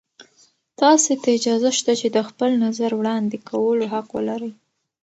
تاسې ته اجازه شته چې د خپل نظر وړاندې کولو حق ولرئ.